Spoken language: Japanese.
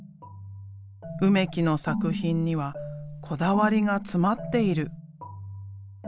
梅木の作品にはこだわりが詰まっている。